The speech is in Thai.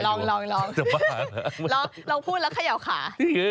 ลองพูดแล้วเขย่าขา